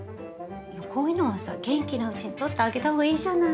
こういうのはさ元気なうちに撮ってあげた方がいいじゃない。